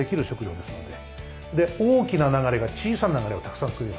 大きな流れが小さな流れをたくさん作ります。